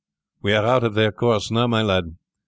"We are out of their course now, my lad.